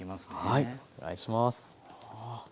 はいお願いします。